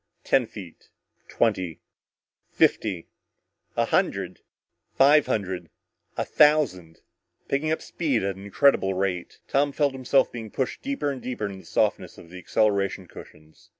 Ten feet twenty fifty a hundred five hundred a thousand picking up speed at an incredible rate. Tom felt himself being pushed deeper and deeper into the softness of the acceleration cushions.